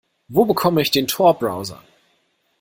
Wo bekomme ich den Tor-Browser?